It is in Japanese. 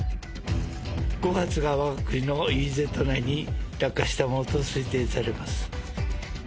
５発が、わが国のＥＥＺ内に落下したものと推定されます。